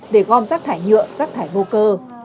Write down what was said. để gom rác thải nhựa rác thải vô cơ